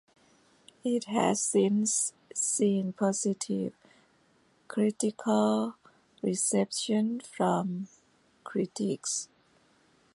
It has since seen positive critical reception from critics.